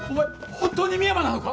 本当に深山なのか？